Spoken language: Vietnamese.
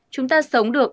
chúng ta sống được